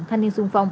thanh niên xung phong